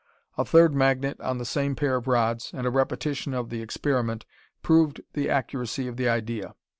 A third magnet on the same pair of rods, and a repetition of the experiment, proved the accuracy of the idea.